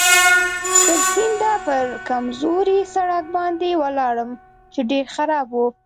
تر سینده پر کمزوري سړک باندې ولاړم چې ډېر خراب و.